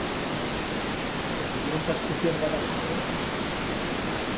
Os que te dioron cascucia en Guadalete?